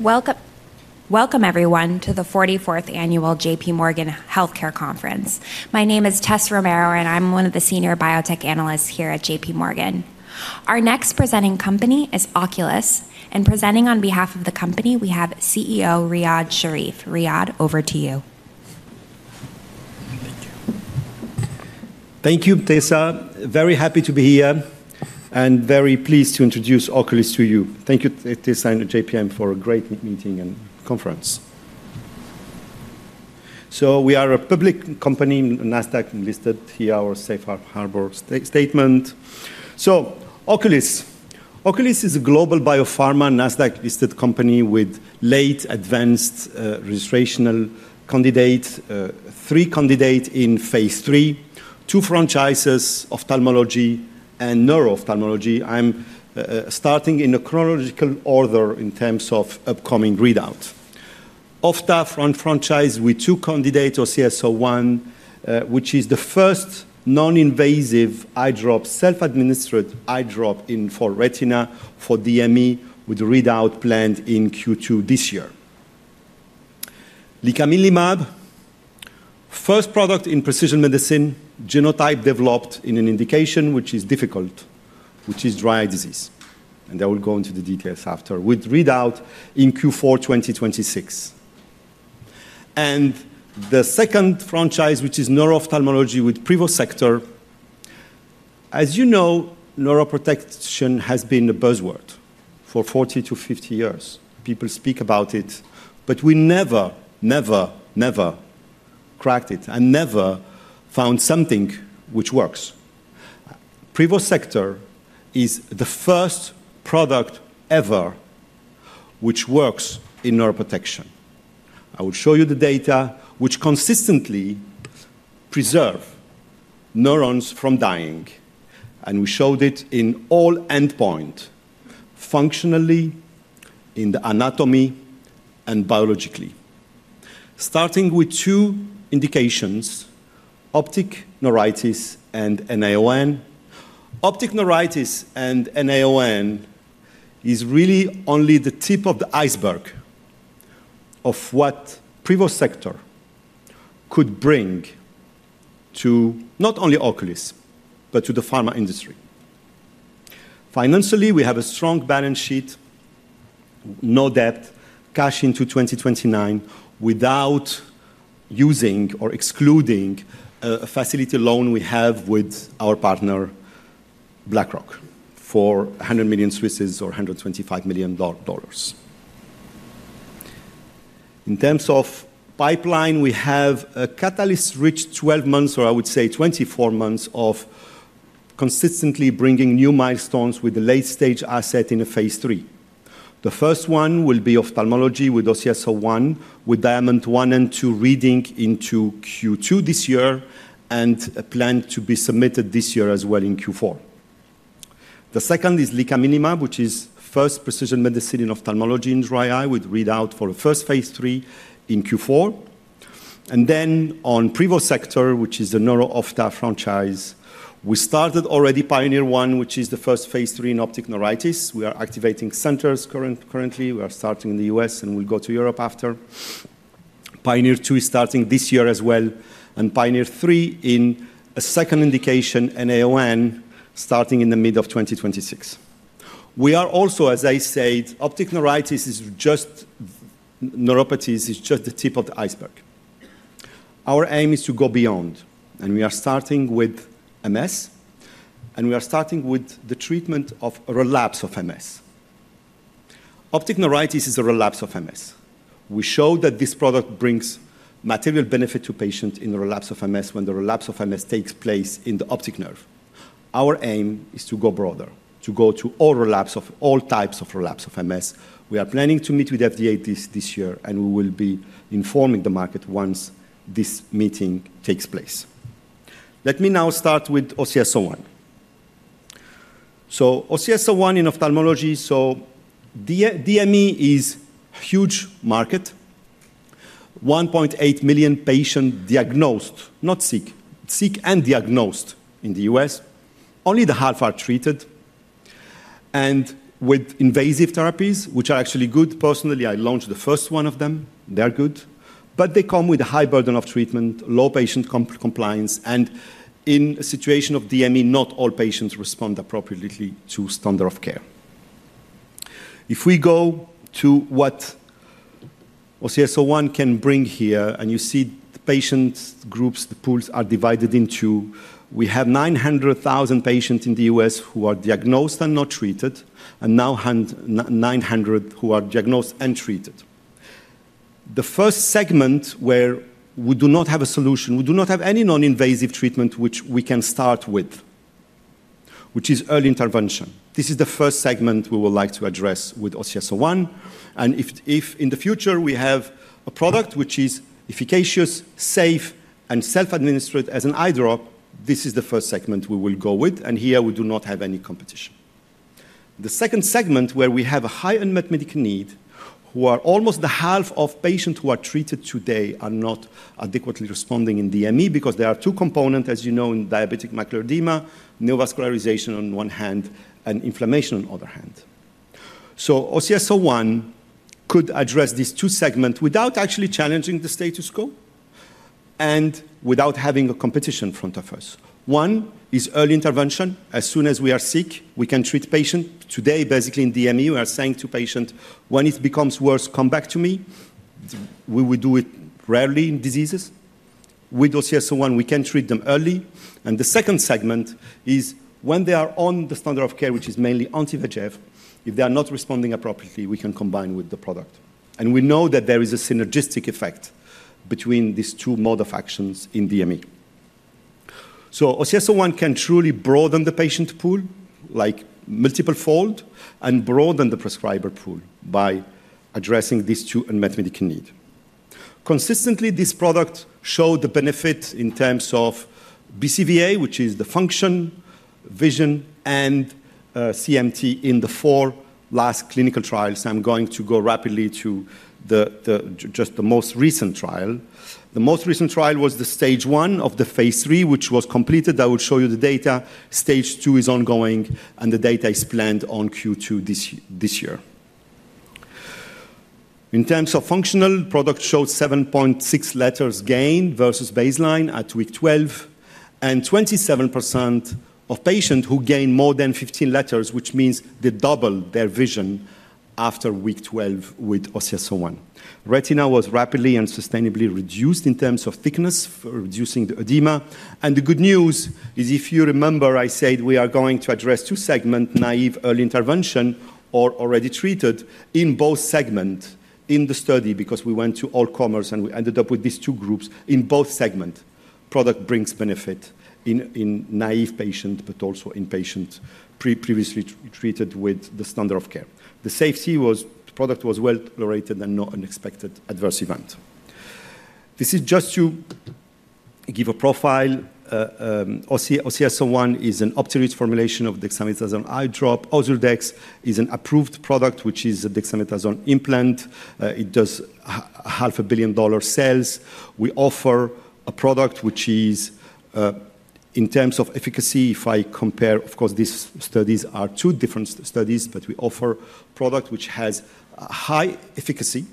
Welcome, welcome everyone to the 44th Annual J.P. Morgan Healthcare Conference. My name is Tessa Romero, and I'm one of the senior biotech analysts here at J.P. Morgan. Our next presenting company is Oculis, and presenting on behalf of the company, we have CEO Riad Sherif. Riad, over to you. Thank you. Thank you, Tessa. Very happy to be here and very pleased to introduce Oculis to you. Thank you, Tessa and JPM, for a great meeting and conference. We are a public company, Nasdaq-listed. Here our safe harbor statement. Oculis is a global biopharma Nasdaq-listed company with late advanced registration candidates, three candidates in phase III, two franchises of ophthalmology and neuro-ophthalmology. I'm starting in a chronological order in terms of upcoming readout. Ocular franchise with two candidates: OCS-01, which is the first non-invasive eye drop, self-administered eye drop for retina for DME with readout planned in Q2 this year. Licaminlimab, first product in precision medicine, genotype developed in an indication which is difficult, which is dry eye disease. I will go into the details after, with readout in Q4 2026. The second franchise, which is neuro-ophthalmology with OCS-05. As you know, neuroprotection has been a buzzword for 40-50 years. People speak about it, but we never, never, never cracked it and never found something which works. Privosegtor is the first product ever which works in neuroprotection. I will show you the data which consistently preserve neurons from dying, and we showed it in all endpoints, functionally, in the anatomy, and biologically. Starting with two indications, optic neuritis and NAION. Optic neuritis and NAION is really only the tip of the iceberg of what Privosegtor could bring to not only Oculis, but to the pharma industry. Financially, we have a strong balance sheet, no debt, cash into 2029 without using or excluding a facility loan we have with our partner, BlackRock, for 100 million or $125 million. In terms of pipeline, we have a catalyst reached 12 months, or I would say 24 months, of consistently bringing new milestones with the late-stage asset in phase III. The first one will be ophthalmology with OCS-01, with DIAMOND 1 and 2 readout in Q2 this year and planned to be submitted this year as well in Q4. The second is Licaminlimab, which is first precision medicine in ophthalmology in dry eye with readout for the first phase III in Q4. And then on OCS-05, which is the neuro-ophthal franchise, we started already PIONEER 1, which is the first phase III in optic neuritis. We are activating centers currently. We are starting in the U.S. and we'll go to Europe after. Pioneer 2 is starting this year as well. And Pioneer 3 in a second indication, NAION, starting in the mid of 2026. We are also, as I said, optic neuritis is just neuropathies, is just the tip of the iceberg. Our aim is to go beyond, and we are starting with MS, and we are starting with the treatment of relapse of MS. Optic neuritis is a relapse of MS. We show that this product brings material benefit to patients in relapse of MS when the relapse of MS takes place in the optic nerve. Our aim is to go broader, to go to all relapse of all types of relapse of MS. We are planning to meet with FDA this year, and we will be informing the market once this meeting takes place. Let me now start with OCS-01. So OCS-01 in ophthalmology, so DME is a huge market. 1.8 million patients diagnosed, not sick, sick and diagnosed in the U.S. Only half are treated. And with invasive therapies, which are actually good. Personally, I launched the first one of them. They're good, but they come with a high burden of treatment, low patient compliance, and in a situation of DME, not all patients respond appropriately to standard of care. If we go to what OCS-01 can bring here, and you see the patient groups, the pools are divided into we have 900,000 patients in the U.S. who are diagnosed and not treated, and now 900 who are diagnosed and treated. The first segment where we do not have a solution, we do not have any non-invasive treatment which we can start with, which is early intervention. This is the first segment we would like to address with OCS-01. If in the future we have a product which is efficacious, safe, and self-administered as an eye drop, this is the first segment we will go with. Here we do not have any competition. The second segment where we have a high unmet medical need, who are almost the half of patients who are treated today are not adequately responding in DME because there are two components, as you know, in diabetic macular edema, neovascularization on one hand, and inflammation on the other hand. OCS-01 could address these two segments without actually challenging the status quo and without having a competition in front of us. One is early intervention. As soon as we are sick, we can treat patients. Today, basically in DME, we are saying to patients, when it becomes worse, come back to me. We would do it rarely in diseases. With OCS-01, we can treat them early, and the second segment is when they are on the standard of care, which is mainly anti-VEGF. If they are not responding appropriately, we can combine with the product, and we know that there is a synergistic effect between these two mode of actions in DME, so OCS-01 can truly broaden the patient pool like multiple fold and broaden the prescriber pool by addressing these two unmet medical needs. Consistently, this product showed the benefit in terms of BCVA, which is the function, vision, and CMT in the four last clinical trials. I'm going to go rapidly to just the most recent trial. The most recent trial was the stage one of the phase III, which was completed. I will show you the data. Stage two is ongoing, and the data is planned on Q2 this year. In terms of functional, the product showed 7.6 letters gain versus baseline at week 12, and 27% of patients who gained more than 15 letters, which means they doubled their vision after week 12 with OCS-01. Retina was rapidly and sustainably reduced in terms of thickness, reducing the edema, and the good news is, if you remember, I said we are going to address two segments, naive early intervention or already treated in both segments in the study because we went to all comers and we ended up with these two groups in both segments. The product brings benefit in naive patients, but also in patients previously treated with the standard of care. The safety was. The product was well tolerated and no unexpected adverse event. This is just to give a profile. OCS-01 is an optic formulation of dexamethasone eye drop. Ozurdex is an approved product, which is a dexamethasone implant. It does $500 million in sales. We offer a product which is, in terms of efficacy, if I compare, of course, these studies are two different studies, but we offer a product which has high efficacy,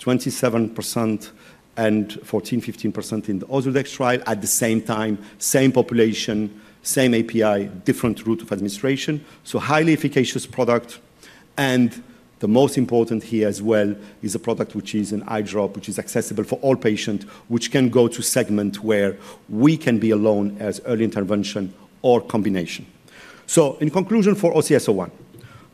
27% and 14%-15% in the Ozurdex trial. At the same time, same population, same API, different route of administration. So highly efficacious product. And the most important here as well is a product which is an eye drop, which is accessible for all patients, which can go to segment where we can be alone as early intervention or combination. So in conclusion for OCS-01,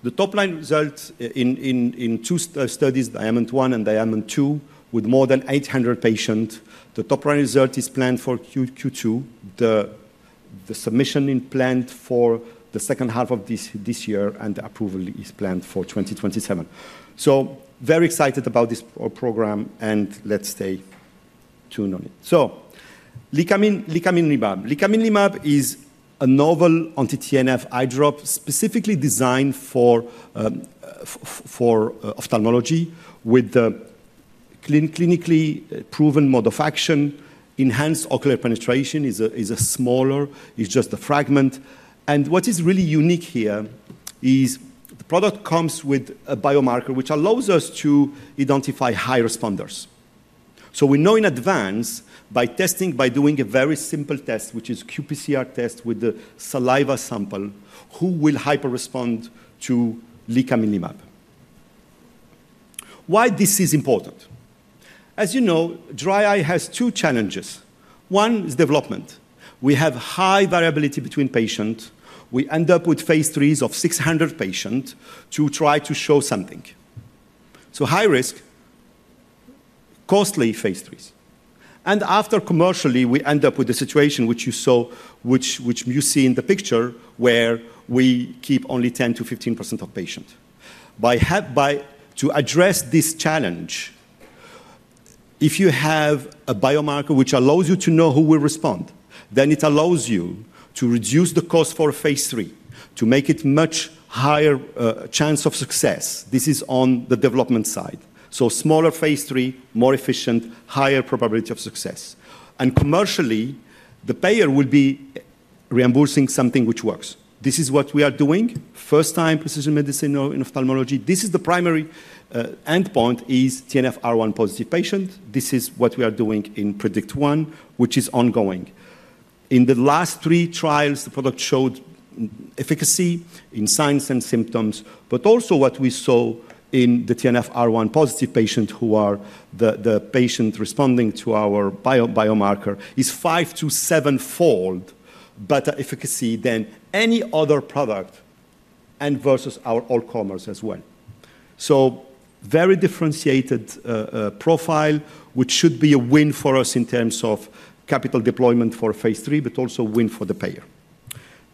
the top line results in two studies, Diamond 1 and Diamond 2, with more than 800 patients. The top line result is planned for Q2. The submission is planned for the second half of this year, and the approval is planned for 2027. So very excited about this program, and let's stay tuned on it. So Licaminlimab. Licaminlimab is a novel anti-TNF eye drop specifically designed for ophthalmology with the clinically proven mode of action. Enhanced ocular penetration is smaller. It's just a fragment. And what is really unique here is the product comes with a biomarker which allows us to identify high responders. So we know in advance by testing, by doing a very simple test, which is QPCR test with the saliva sample, who will hyper-respond to Licaminlimab. Why this is important? As you know, dry eye has two challenges. One is development. We have high variability between patients. We end up with phase IIIs of 600 patients to try to show something. So high risk, costly phase IIIs. After commercially, we end up with the situation which you saw, which you see in the picture, where we keep only 10%-15% of patients. To address this challenge, if you have a biomarker which allows you to know who will respond, then it allows you to reduce the cost for phase III, to make it much higher chance of success. This is on the development side. Smaller phase III, more efficient, higher probability of success. Commercially, the payer will be reimbursing something which works. This is what we are doing. First time precision medicine in ophthalmology. This is the primary endpoint is TNFR1 positive patient. This is what we are doing in PREDICT One, which is ongoing. In the last three trials, the product showed efficacy in signs and symptoms, but also what we saw in the TNF R1 positive patients who are the patients responding to our biomarker is five- to sevenfold better efficacy than any other product and versus our all comers as well. So very differentiated profile, which should be a win for us in terms of capital deployment for phase III, but also win for the payer.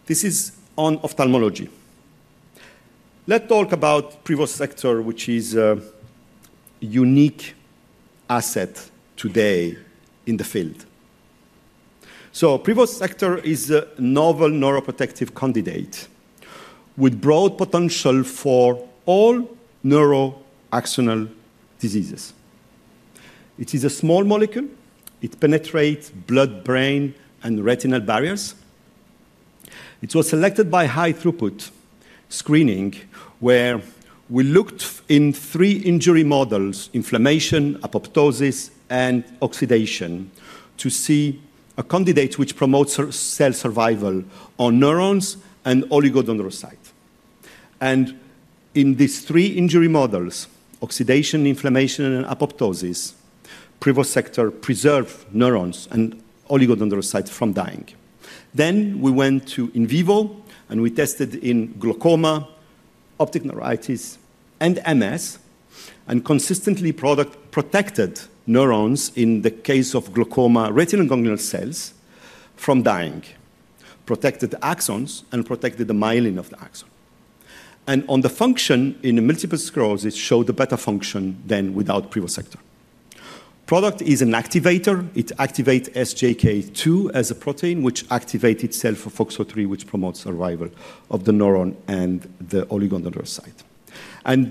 This is on ophthalmology. Let's talk about Privosegtor, which is a unique asset today in the field. So Privosegtor is a novel neuroprotective candidate with broad potential for all neuroaxonal diseases. It is a small molecule. It penetrates blood, brain, and retinal barriers. It was selected by high throughput screening where we looked in three injury models, inflammation, apoptosis, and oxidation, to see a candidate which promotes cell survival on neurons and oligodendrocyte. In these three injury models, oxidation, inflammation, and apoptosis, Privosegtor preserved neurons and oligodendrocyte from dying. We went to in vivo, and we tested in glaucoma, optic neuritis, and MS, and consistently product protected neurons in the case of glaucoma, retinal ganglion cells from dying, protected axons and protected the myelin of the axon. On the function in multiple sclerosis, showed a better function than without Privosegtor. Product is an activator. It activates SGK2 as a protein which activates itself for FOXO3, which promotes survival of the neuron and the oligodendrocyte.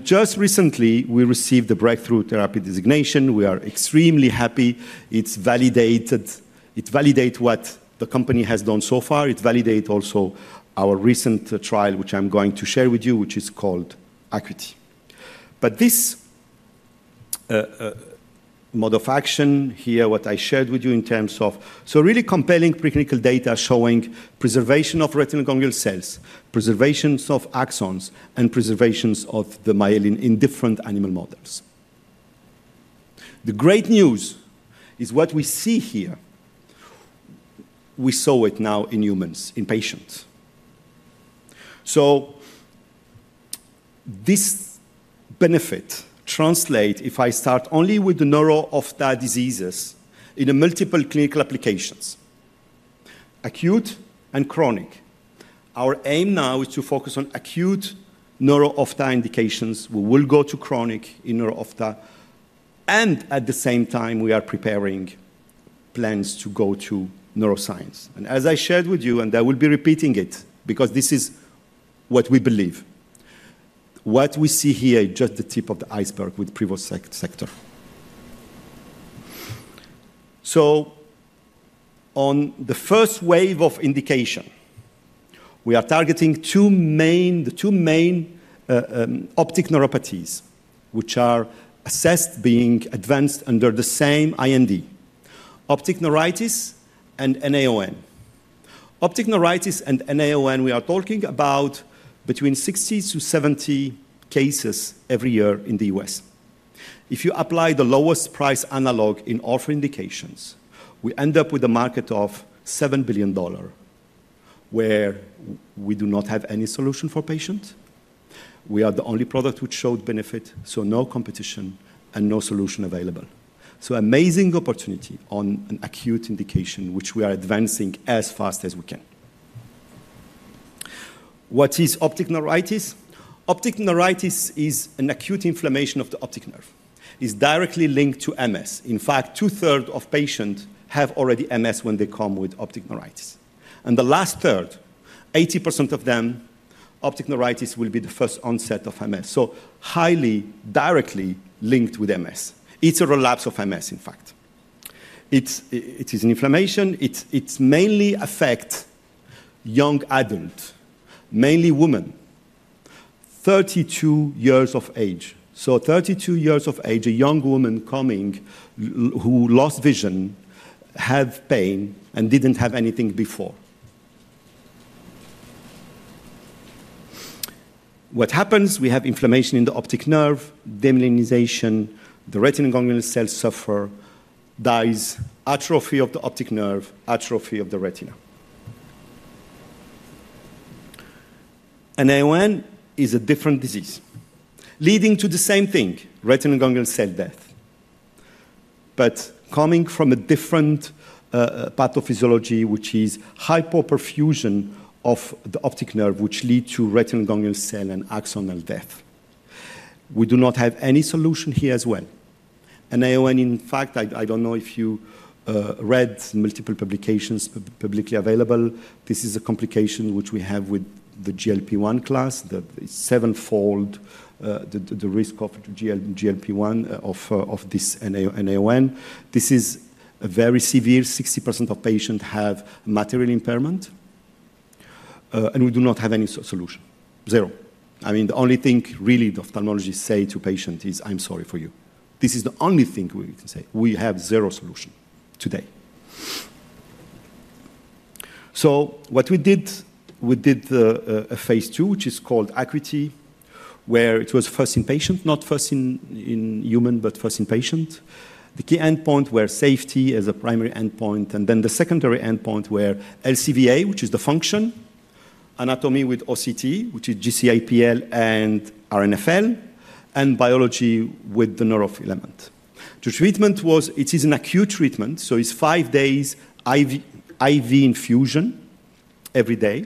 Just recently, we received the Breakthrough Therapy Designation. We are extremely happy. It validates what the company has done so far. It validates also our recent trial, which I'm going to share with you, which is called ACUITY. But this mode of action here, what I shared with you in terms of so really compelling preclinical data showing preservation of retinal and ganglion cells, preservations of axons, and preservations of the myelin in different animal models. The great news is what we see here. We saw it now in humans, in patients. So this benefit translates if I start only with the neuro-ophthalmic diseases in multiple clinical applications, acute and chronic. Our aim now is to focus on acute neuro-ophthalmic indications. We will go to chronic in neuro-ophthalmic. And at the same time, we are preparing plans to go to neuroscience. And as I shared with you, and I will be repeating it because this is what we believe. What we see here is just the tip of the iceberg with Privosegtor. On the first wave of indication, we are targeting the two main optic neuropathies, which are being advanced under the same IND, optic neuritis and NAION. Optic neuritis and NAION, we are talking about between 60 to 70 cases every year in the U.S. If you apply the lowest price analog in all four indications, we end up with a market of $7 billion where we do not have any solution for patients. We are the only product which showed benefit, so no competition and no solution available. Amazing opportunity on an acute indication, which we are advancing as fast as we can. What is optic neuritis? Optic neuritis is an acute inflammation of the optic nerve. It is directly linked to MS. In fact, two-thirds of patients have already MS when they come with optic neuritis. The last third, 80% of them, optic neuritis will be the first onset of MS. So highly directly linked with MS. It's a relapse of MS, in fact. It is an inflammation. It mainly affects young adults, mainly women, 32 years of age. So 32 years of age, a young woman coming who lost vision, had pain, and didn't have anything before. What happens? We have inflammation in the optic nerve, demyelination, the retinal and ganglion cells suffer, dies, atrophy of the optic nerve, atrophy of the retina. NAION is a different disease leading to the same thing, retinal and ganglion cell death, but coming from a different pathophysiology, which is hypoperfusion of the optic nerve, which leads to retinal and ganglion cell and axonal death. We do not have any solution here as well. NAION, in fact, I don't know if you read multiple publications publicly available. This is a complication which we have with the GLP-1 class, the seven-fold risk of GLP-1 of this NAION. This is very severe. 60% of patients have material impairment, and we do not have any solution, zero. I mean, the only thing really the ophthalmologists say to patients is, "I'm sorry for you." This is the only thing we can say. We have zero solution today. So what we did, we did a phase II, which is called ACUITY, where it was first in patient, not first in human, but first in patient. The key endpoint where safety is a primary endpoint, and then the secondary endpoint where BCVA, which is the function, anatomy with OCT, which is GCIPL and RNFL, and biology with the neurofilament. The treatment was, it is an acute treatment, so it's five days IV infusion every day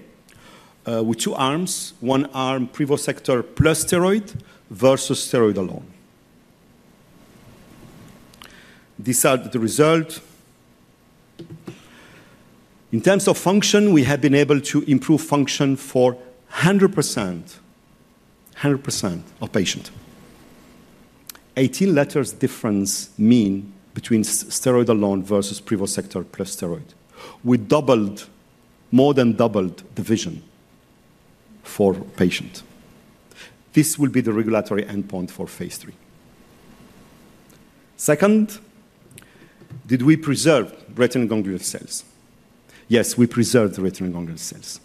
with two arms, one arm, Privosegtor plus steroid versus steroid alone. These are the results. In terms of function, we have been able to improve function for 100% of patients. 18 letters difference mean between steroid alone versus Privosegtor plus steroid. We doubled, more than doubled the vision for patients. This will be the regulatory endpoint for phase III. Second, did we preserve retinal and ganglion cells? Yes, we preserved the retinal and ganglion cells.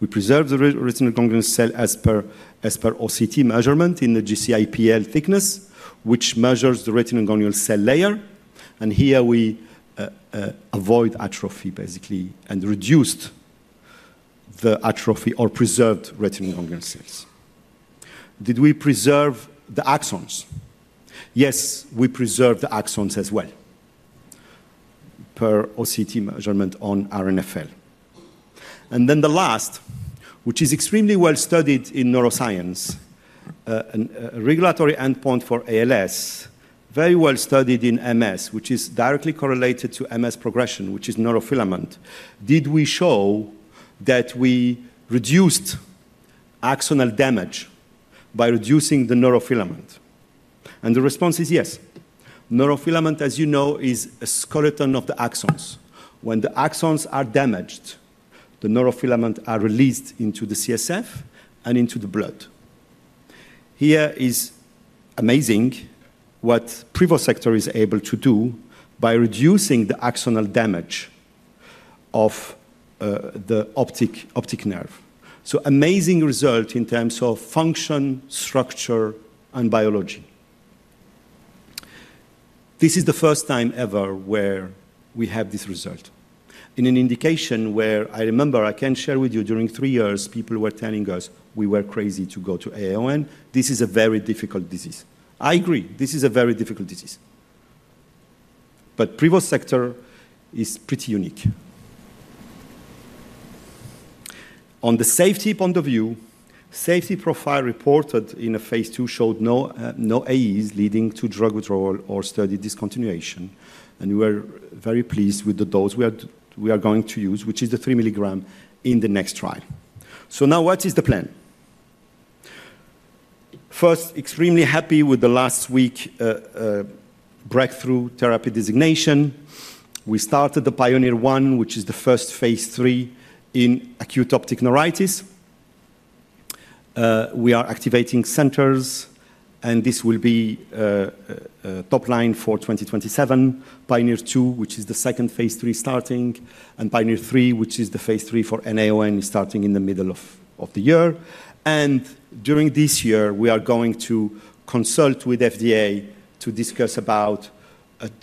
We preserved the retinal and ganglion cells as per OCT measurement in the GCIPL thickness, which measures the retinal and ganglion cell layer. And here we avoid atrophy basically and reduced the atrophy or preserved retinal and ganglion cells. Did we preserve the axons? Yes, we preserved the axons as well per OCT measurement on RNFL. And then the last, which is extremely well studied in neuroscience, a regulatory endpoint for ALS, very well studied in MS, which is directly correlated to MS progression, which is neurofilament. Did we show that we reduced axonal damage by reducing the neurofilament? And the response is yes. Neurofilament, as you know, is a skeleton of the axons. When the axons are damaged, the neurofilaments are released into the CSF and into the blood. Here is amazing what Privosegtor is able to do by reducing the axonal damage of the optic nerve. So amazing result in terms of function, structure, and biology. This is the first time ever where we have this result. In an indication where I remember, I can share with you during three years, people were telling us, "We were crazy to go to NAION. This is a very difficult disease." I agree. This is a very difficult disease, but Privosegtor is pretty unique. On the safety point of view, safety profile reported in phase II showed no AEs leading to drug withdrawal or study discontinuation, and we were very pleased with the dose we are going to use, which is the three milligram in the next trial, so now what is the plan? First, extremely happy with the last week breakthrough therapy designation. We started the Pioneer One, which is the first phase III in acute optic neuritis. We are activating centers, and this will be top line for 2027. Pioneer Two, which is the second phase III starting, and Pioneer Three, which is the phase III for NAION, is starting in the middle of the year, and during this year, we are going to consult with FDA to discuss about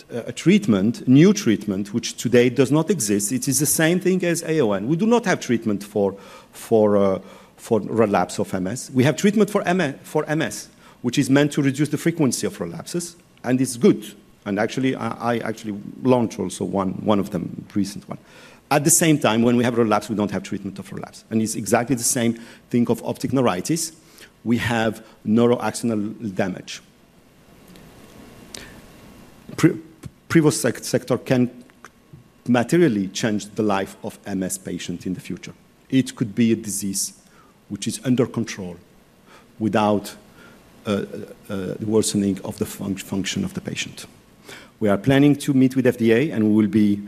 a treatment, new treatment, which today does not exist. It is the same thing as NAION. We do not have treatment for relapse of MS. We have treatment for MS, which is meant to reduce the frequency of relapses, and it's good. And actually, I actually launched also one of them, recent one. At the same time, when we have relapse, we don't have treatment of relapse. And it's exactly the same thing of optic neuritis. We have neuroaxonal damage. OCS-05 can materially change the life of MS patients in the future. It could be a disease which is under control without the worsening of the function of the patient. We are planning to meet with FDA, and we will be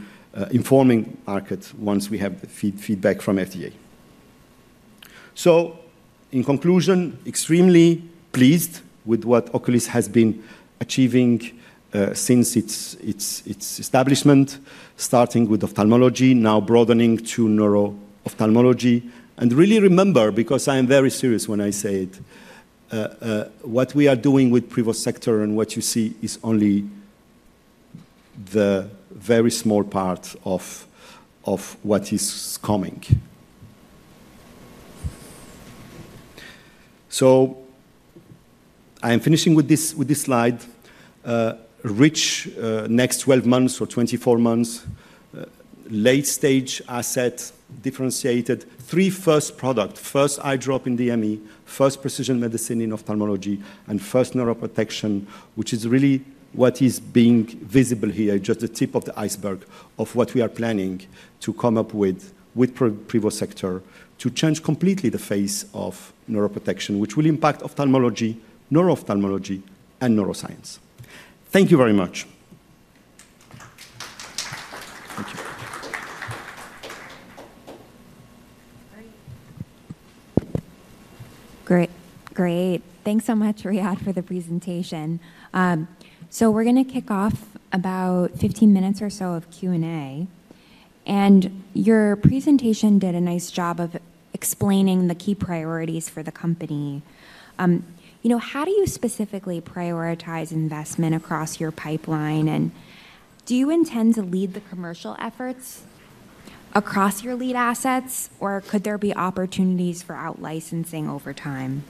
informing the market once we have feedback from FDA. So in conclusion, extremely pleased with what Oculis has been achieving since its establishment, starting with ophthalmology, now broadening to neuro-ophthalmology. And really remember, because I am very serious when I say it, what we are doing with Privosegtor and what you see is only the very small part of what is coming. So I am finishing with this slide. In the next 12 months or 24 months, late-stage asset differentiated, three first products, first eye drop in DME, first precision medicine in ophthalmology, and first neuroprotection, which is really what is being visible here, just the tip of the iceberg of what we are planning to come up with with Privosegtor to change completely the face of neuroprotection, which will impact ophthalmology, neuro-ophthalmology, and neuroscience. Thank you very much. Thank you. Great. Great. Great. Thanks so much, Riad, for the presentation. So we're going to kick off about 15 minutes or so of Q&A. And your presentation did a nice job of explaining the key priorities for the company. How do you specifically prioritize investment across your pipeline? And do you intend to lead the commercial efforts across your lead assets, or could there be opportunities for out-licensing over time?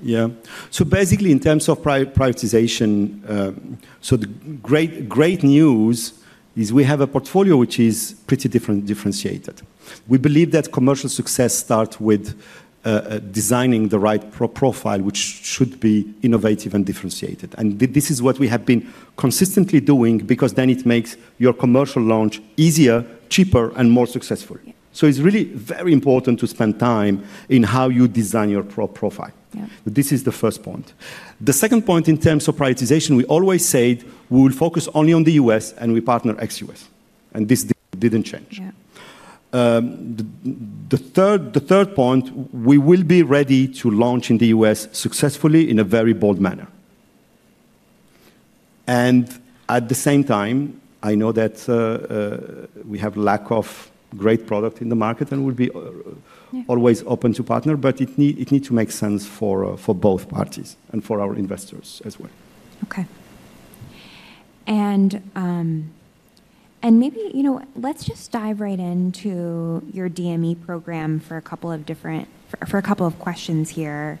Yeah. So basically, in terms of differentiation, the great news is we have a portfolio which is pretty differentiated. We believe that commercial success starts with designing the right profile, which should be innovative and differentiated. And this is what we have been consistently doing because then it makes your commercial launch easier, cheaper, and more successful. So it's really very important to spend time in how you design your profile. This is the first point. The second point in terms of differentiation, we always said we will focus only on the U.S. and we partner ex-U.S. And this didn't change. The third point, we will be ready to launch in the U.S. successfully in a very bold manner. At the same time, I know that we have a lack of great product in the market and we'll be always open to partner, but it needs to make sense for both parties and for our investors as well. Okay. And maybe let's just dive right into your DME program for a couple of questions here.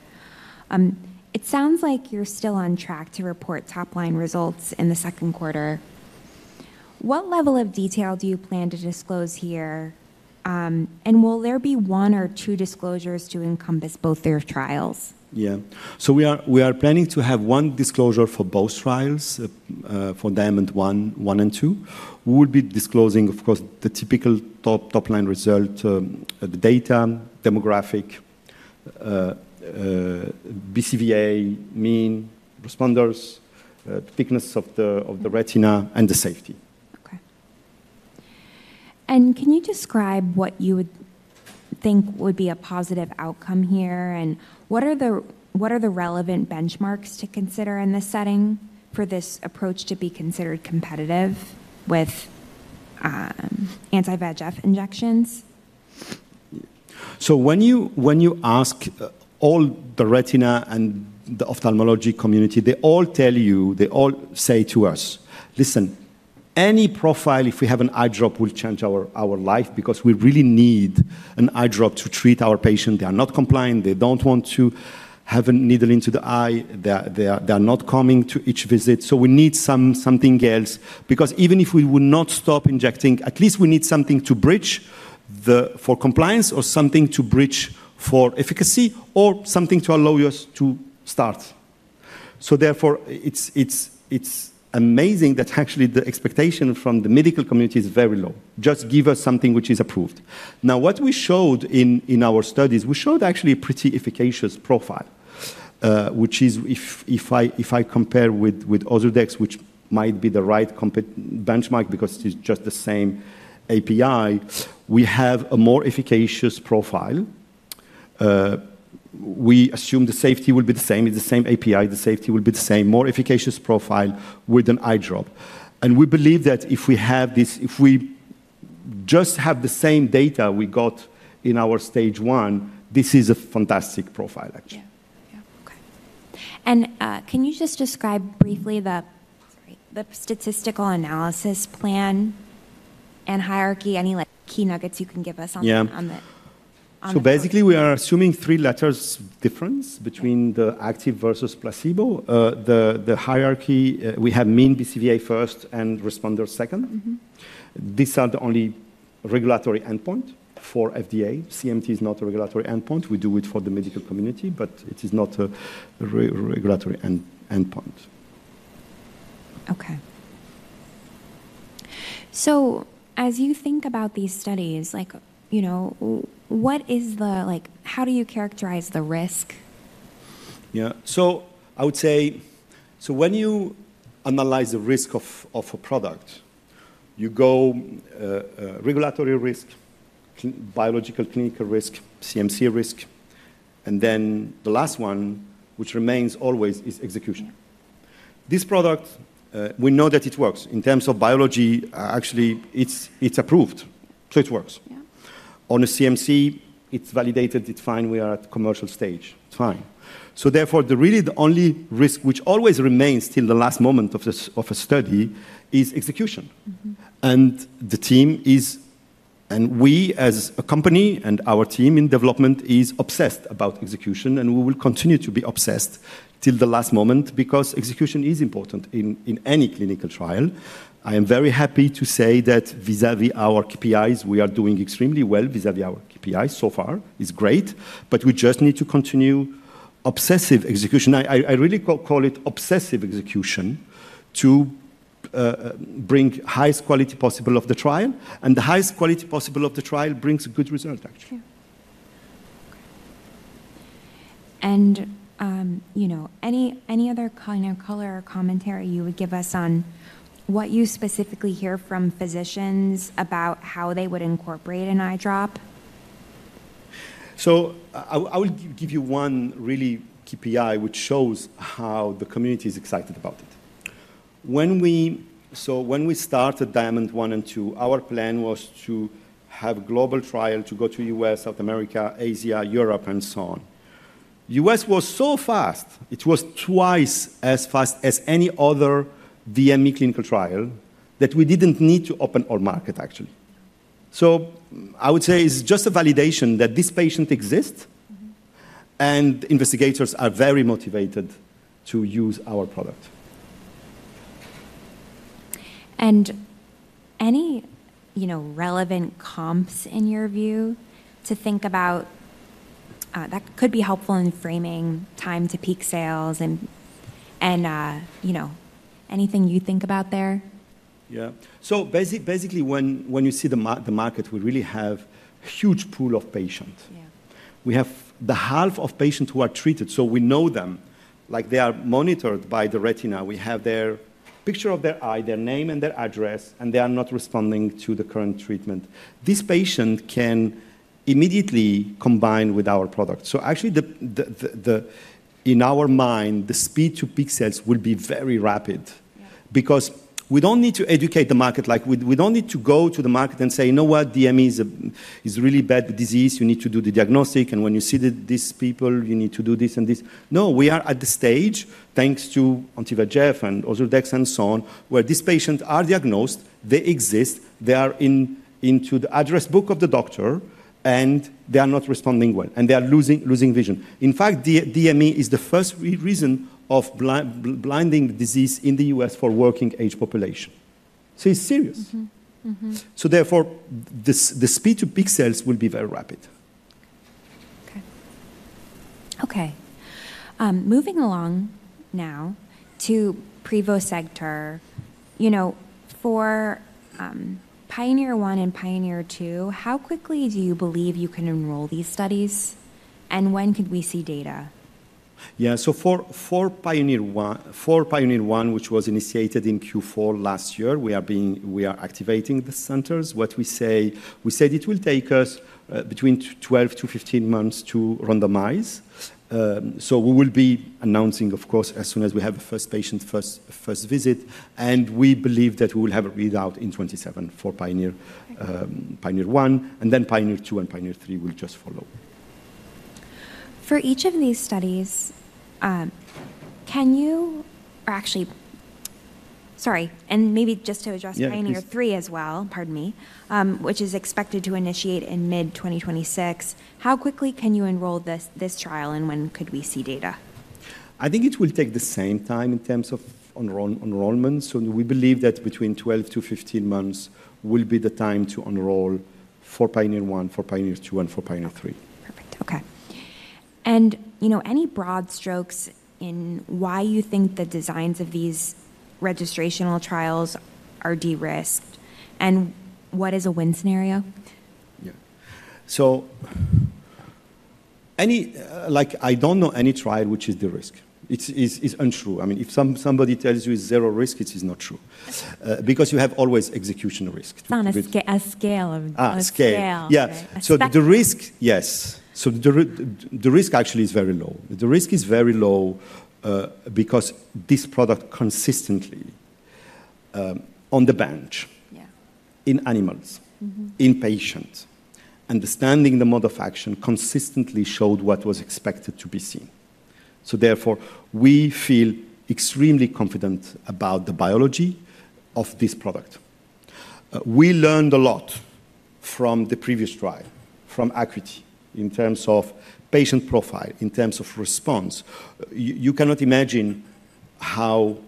It sounds like you're still on track to report top-line results in the second quarter. What level of detail do you plan to disclose here? And will there be one or two disclosures to encompass both their trials? Yeah. So, we are planning to have one disclosure for both trials, for Diamond One and Two. We will be disclosing, of course, the typical top-line result, the data, demographic, BCVA, mean, responders, thickness of the retina, and the safety. Okay. And can you describe what you would think would be a positive outcome here? And what are the relevant benchmarks to consider in this setting for this approach to be considered competitive with anti-VEGF injections? So when you ask all the retina and the ophthalmology community, they all tell you, they all say to us, "Listen, any profile, if we have an eye drop, will change our life because we really need an eye drop to treat our patients. They are not compliant. They don't want to have a needle into the eye. They are not coming to each visit. So we need something else." Because even if we will not stop injecting, at least we need something to bridge for compliance or something to bridge for efficacy or something to allow us to start. So therefore, it's amazing that actually the expectation from the medical community is very low. Just give us something which is approved. Now, what we showed in our studies, we showed actually a pretty efficacious profile, which is if I compare with Ozurdex, which might be the right benchmark because it is just the same API, we have a more efficacious profile. We assume the safety will be the same. It's the same API. The safety will be the same, more efficacious profile with an eye drop. And we believe that if we have this, if we just have the same data we got in our stage one, this is a fantastic profile actually. Yeah. Okay. And can you just describe briefly the statistical analysis plan and hierarchy? Any key nuggets you can give us on the. Yeah. So basically, we are assuming three letters difference between the active versus placebo. The hierarchy, we have mean BCVA first, and responders second. These are the only regulatory endpoint for FDA. CMT is not a regulatory endpoint. We do it for the medical community, but it is not a regulatory endpoint. Okay. So as you think about these studies, how do you characterize the risk? Yeah, so I would say, so when you analyze the risk of a product, you go regulatory risk, biological clinical risk, CMC risk, and then the last one, which remains always, is execution. This product, we know that it works. In terms of biology, actually, it's approved, so it works. On a CMC, it's validated. It's fine. We are at commercial stage. It's fine. So therefore, really the only risk, which always remains till the last moment of a study, is execution, and the team is, and we as a company and our team in development is obsessed about execution, and we will continue to be obsessed till the last moment because execution is important in any clinical trial. I am very happy to say that vis-à-vis our KPIs, we are doing extremely well vis-à-vis our KPIs so far. It's great, but we just need to continue obsessive execution. I really call it obsessive execution to bring the highest quality possible of the trial. And the highest quality possible of the trial brings good results actually. Okay. And any other kind of color or commentary you would give us on what you specifically hear from physicians about how they would incorporate an eye drop? I will give you one really KPI, which shows how the community is excited about it. When we started Diamond 1 and 2, our plan was to have a global trial to go to the U.S., South America, Asia, Europe, and so on. The U.S. was so fast, it was twice as fast as any other DME clinical trial that we didn't need to open all markets actually. I would say it's just a validation that this patient exists and investigators are very motivated to use our product. Any relevant comps in your view to think about that could be helpful in framing time to peak sales and anything you think about there? Yeah. So basically, when you see the market, we really have a huge pool of patients. We have the half of patients who are treated, so we know them. They are monitored by the retina. We have their picture of their eye, their name, and their address, and they are not responding to the current treatment. This patient can immediately combine with our product. So actually, in our mind, the speed to peak sales will be very rapid because we don't need to educate the market. We don't need to go to the market and say, "You know what? DME is a really bad disease. You need to do the diagnostic. And when you see these people, you need to do this and this." No, we are at the stage, thanks to anti-VEGF and Ozurdex and so on, where these patients are diagnosed, they exist, they are into the address book of the doctor, and they are not responding well and they are losing vision. In fact, DME is the first reason of blinding disease in the U.S. for working-age population. So it's serious. So therefore, the speed to peak sales will be very rapid. Okay. Moving along now to Privosegtor. For Pioneer One and Pioneer Two, how quickly do you believe you can enroll these studies? And when could we see data? Yeah. So for Pioneer One, which was initiated in Q4 last year, we are activating the centers. We said it will take us between 12-15 months to randomize. So we will be announcing, of course, as soon as we have the first patient, first visit. And we believe that we will have a readout in 2027 for Pioneer One. And then Pioneer Two and Pioneer Three will just follow. For each of these studies, can you, actually? Sorry. And maybe just to address Pioneer Three as well, pardon me, which is expected to initiate in mid-2026, how quickly can you enroll this trial and when could we see data? I think it will take the same time in terms of enrollment. So we believe that between 12 to 15 months will be the time to enroll for Pioneer One, for Pioneer Two, and for Pioneer Three. Perfect. Okay. And any broad strokes in why you think the designs of these registrational trials are de-risked and what is a win scenario? Yeah, so I don't know any trial which is de-risked. It's untrue. I mean, if somebody tells you it's zero risk, it is not true because you have always execution risk. On a scale of. A scale. A scale. Yeah. So the risk, yes. So the risk actually is very low. The risk is very low because this product consistently on the bench in animals, in patients, understanding the mode of action consistently showed what was expected to be seen. So therefore, we feel extremely confident about the biology of this product. We learned a lot from the previous trial, from ACUITY in terms of patient profile, in terms of response. You cannot imagine how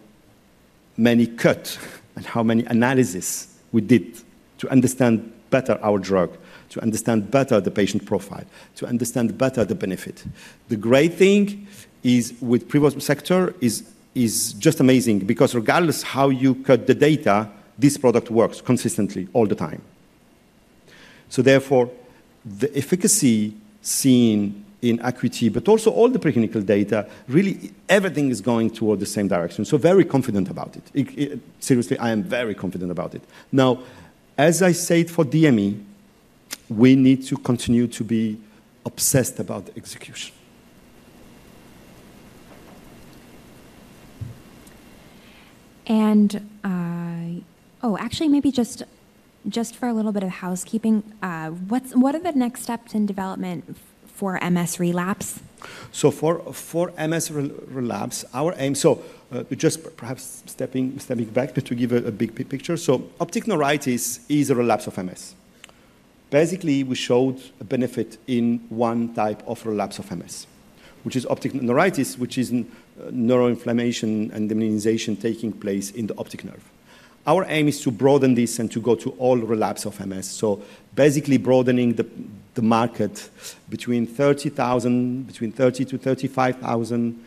many cuts and how many analyses we did to understand better our drug, to understand better the patient profile, to understand better the benefit. The great thing with Privosegtor is just amazing because regardless of how you cut the data, this product works consistently all the time. So therefore, the efficacy seen in ACUITY, but also all the preclinical data, really everything is going toward the same direction. So very confident about it. Seriously, I am very confident about it. Now, as I said for DME, we need to continue to be obsessed about execution. Oh, actually, maybe just for a little bit of housekeeping, what are the next steps in development for MS relapse? For MS relapse, our aim is just perhaps stepping back to give a big picture. Optic neuritis is a relapse of MS. Basically, we showed a benefit in one type of relapse of MS, which is optic neuritis, which is neuroinflammation and demyelination taking place in the optic nerve. Our aim is to broaden this and to go to all relapse of MS. Basically broadening the market between 30,000 to 35,000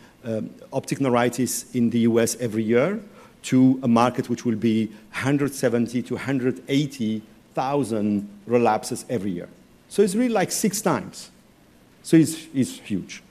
optic neuritis in the U.S. every year to a market which will be 170,000 to 180,000 relapses every year. It's really like six times. It's huge.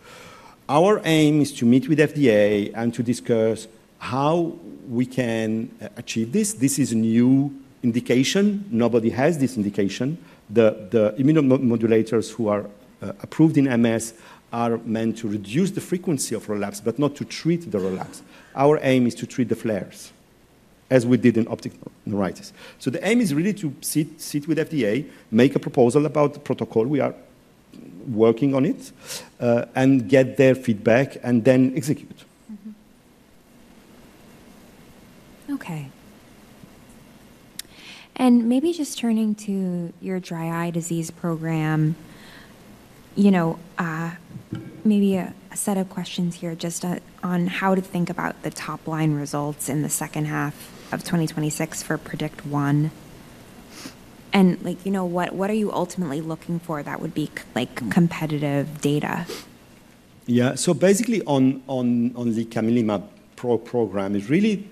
Our aim is to meet with FDA and to discuss how we can achieve this. This is a new indication. Nobody has this indication. The immunomodulators who are approved in MS are meant to reduce the frequency of relapse, but not to treat the relapse. Our aim is to treat the flares as we did in optic neuritis. So the aim is really to sit with FDA, make a proposal about the protocol we are working on it, and get their feedback, and then execute. Okay. And maybe just turning to your dry eye disease program, maybe a set of questions here just on how to think about the top-line results in the second half of 2026 for Predict One. And what are you ultimately looking for that would be competitive data? Yeah. So basically on the Licaminlimab program, really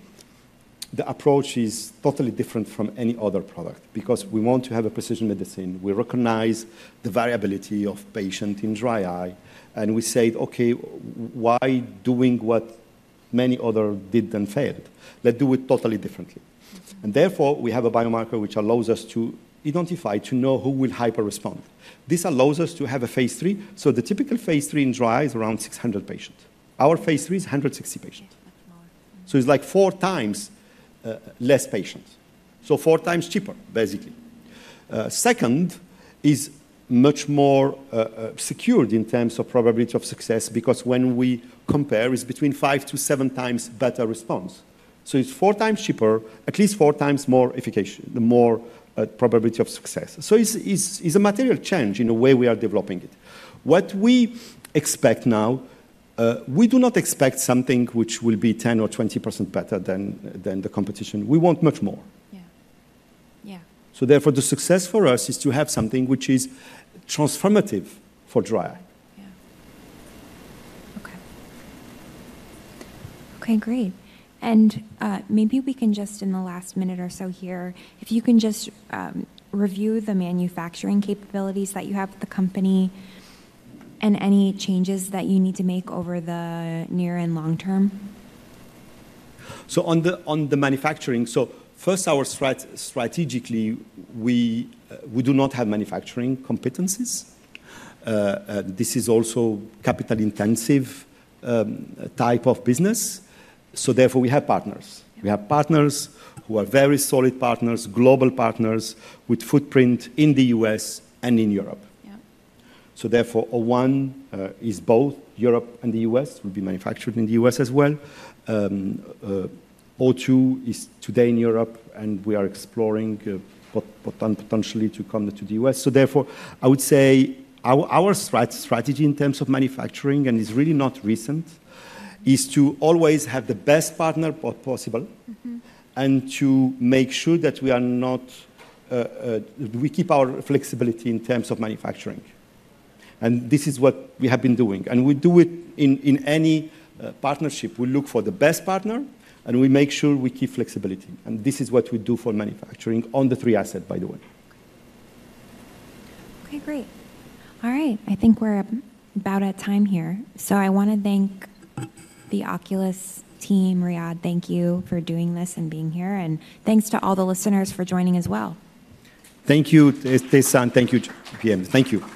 the approach is totally different from any other product because we want to have a precision medicine. We recognize the variability of patient in dry eye. And we said, "Okay, why doing what many others did and failed? Let's do it totally differently." And therefore, we have a biomarker which allows us to identify, to know who will hyper-respond. This allows us to have a phase III. So the typical phase III in dry eye is around 600 patients. Our phase iii is 160 patients. So it's like four times less patients. So four times cheaper, basically. Second is much more secured in terms of probability of success because when we compare, it's between five to seven times better response. So it's four times cheaper, at least four times more efficacious, the more probability of success. So it's a material change in the way we are developing it. What we expect now, we do not expect something which will be 10% or 20% better than the competition. We want much more. Yeah. Yeah. Therefore, the success for us is to have something which is transformative for dry eye. Yeah. Okay. Okay, great. And maybe we can just in the last minute or so here, if you can just review the manufacturing capabilities that you have with the company and any changes that you need to make over the near and long term. On the manufacturing, first, strategically, we do not have manufacturing competencies. This is also capital-intensive type of business. Therefore, we have partners. We have partners who are very solid partners, global partners with footprint in the U.S. and in Europe. Therefore, O1 is both Europe and the U.S., will be manufactured in the U.S. as well. O2 is today in Europe, and we are exploring potentially to come to the U.S. Therefore, I would say our strategy in terms of manufacturing, and it's really not recent, is to always have the best partner possible and to make sure that we keep our flexibility in terms of manufacturing. This is what we have been doing. We do it in any partnership. We look for the best partner, and we make sure we keep flexibility. This is what we do for manufacturing on the three assets, by the way. Okay, great. All right. I think we're about at time here, so I want to thank the Oculis team, Riad. Thank you for doing this and being here, and thanks to all the listeners for joining as well. Thank you, Tessa. Thank you, PM. Thank you.